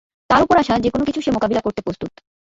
তার উপর আসা যেকোনো কিছু সে মোকাবিলা করতে প্রস্তুত।